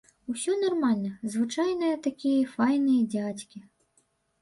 Усё нармальна, звычайныя такія, файныя дзядзькі.